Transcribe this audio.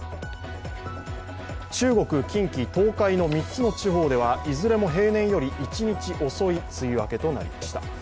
中国・近畿・東海の３つの地方ではいずれも平年より一日遅い梅雨明けとなりました。